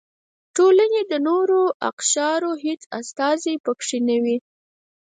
ټولنې د نورو اقشارو هېڅ استازي پکې نه و.